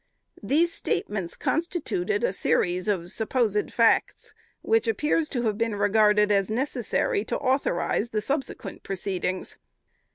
These statements constituted a series of supposed facts, which appears to have been regarded as necessary to authorize the subsequent proceedings.